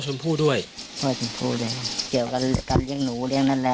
อ๋อพ่อชมพู่ด้วยพ่อชมพู่ด้วยเกี่ยวกับการเลี้ยงหนูเลี้ยงนั่นแหละ